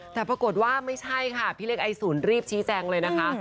แต่ปรากฏว่าไม่ใช่ค่ะพี่เล็กไอศูนย์รีบชี้แจงเลยนะคะ